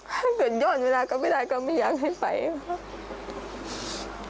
ถ้าเกิดย้อนเวลาก็ไม่ได้ก็ไม่อยากให้ไปค่ะ